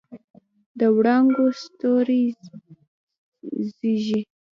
د وړانګو ستوري زیږي